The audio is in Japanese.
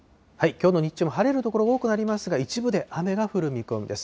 きょうの日中も晴れる所が多くなりますが、一部で雨が降る見込みです。